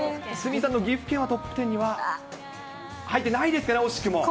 鷲見さんの岐阜県はトップ１０には入ってないですね、惜しくも。